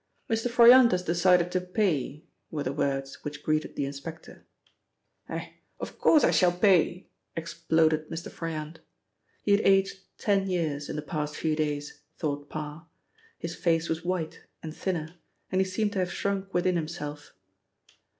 "Mr. Froyant has decided to pay," were the words which greeted the inspector. "Eh, of course I shall pay!" exploded Mr. Froyant. He had aged ten years in the past few days, thought Parr; his face was white, and thinner, and he seemed to have shrunk within himself.